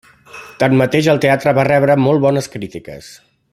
Tanmateix el teatre va rebre molt bones crítiques.